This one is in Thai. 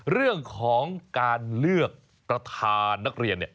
เรื่องของการเลือกประธานนักเรียน